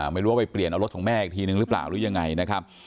ไม่รู้ว่าไปเปลี่ยนเอารถของแม่อีกทีนึงหรือเปล่าหรือยังไงนะครับ